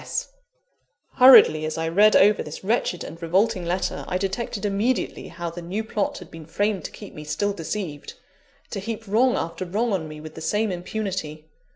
S. S." Hurriedly as I read over this wretched and revolting letter, I detected immediately how the new plot had been framed to keep me still deceived; to heap wrong after wrong on me with the same impunity.